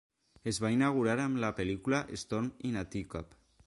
Es va inaugurar amb la pel·lícula Storm in a Teacup.